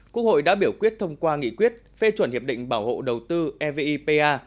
quốc hội đã biểu quyết thông qua nghị quyết phê chuẩn hiệp định bảo hộ đầu tư evipa